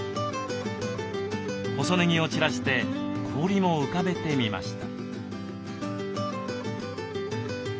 細ねぎを散らして氷も浮かべてみました。